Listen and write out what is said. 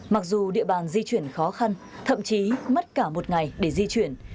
mặc dù địa bàn di chuyển khó khăn thậm chí mất cả một ngày để di chuyển